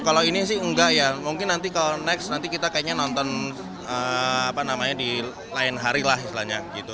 kalau ini sih enggak ya mungkin nanti kalau next nanti kita kayaknya nonton apa namanya di lain hari lah istilahnya gitu